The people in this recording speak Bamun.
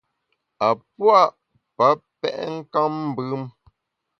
A pua’ pa pèt nkammbùm.